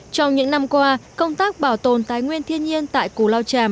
trong những năm qua công tác bảo tồn tài nguyên thiên nhiên tại cù lao chàm